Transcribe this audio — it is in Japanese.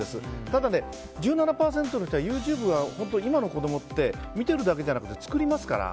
ただ、１７％の人はＹｏｕＴｕｂｅが今の子供って見ているだけじゃなくて作りますから。